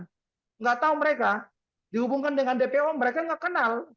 tidak tahu mereka dihubungkan dengan dpo mereka nggak kenal